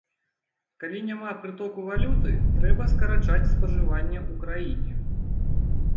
Калі няма прытоку валюты, трэба скарачаць спажыванне ў краіне.